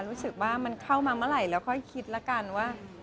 รู้สึกว่ามันเข้ามาเมื่อไหร่แล้วค่อยคิดแล้วกันว่า